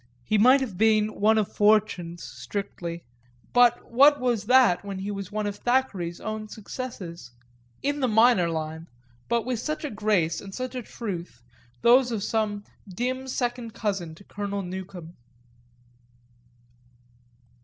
He might have been one of fortune's, strictly; but what was that when he was one of Thackeray's own successes? in the minor line, but with such a grace and such a truth, those of some dim second cousin to Colonel Newcome.